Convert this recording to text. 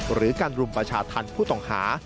หรือการรุมประชาธรรมผู้ต้องหา